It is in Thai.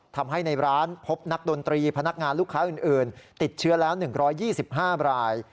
ทำให้ในร้านพบนักดนตรีพนักงานลูกค้าอื่นติดเชื้อแล้ว๑๒๕ราย